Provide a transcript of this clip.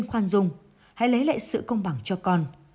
khoan dung hãy lấy lại sự công bằng cho con